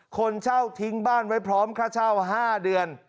คนเช่าทิ้งบ้านไว้พร้อมค่าเช่า๕เดือน